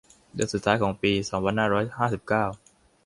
เดือนสุดท้ายของปี สองพันห้าร้อยห้าสิบเก้า